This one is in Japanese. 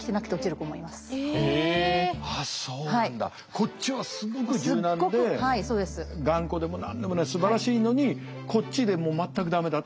こっちはすごく柔軟で頑固でも何でもないすばらしいのにこっちで全くダメだと。